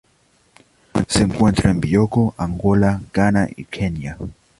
Se encuentra en Bioko, Angola, Ghana y Kenia.